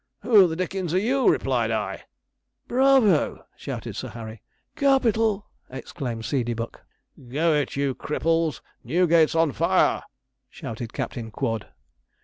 '"Who the Dickens are you?" replied I.' 'Bravo!' shouted Sir Harry. 'Capital!' exclaimed Seedeybuck. 'Go it, you cripples! Newgate's on fire!' shouted Captain Quod.